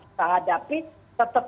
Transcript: kita hadapi tetap